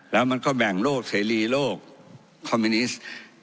แล้วมันก็แบ่งโลกเสรีโลกคอมมิวนิสต์